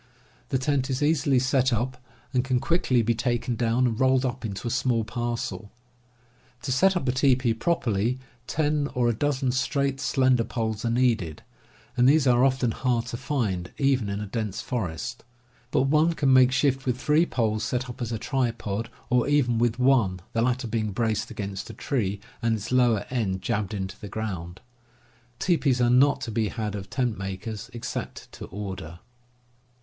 The tent is easily set up, and it can quickly be taken down and rolled up into a small parcel. To set up a teepee properly, ten or a dozen straight, slender poles are needed, and these are often hard to find, even in a dense forest. But one can make shift with three poles set up as a tripod, or even with one, the latter being braced against a tree, and its lower end jabbed into the ground. Teepees are not to be had of tent makers, except to order.